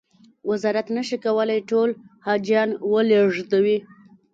وزارت نه شي کولای ټول حاجیان و لېږدوي.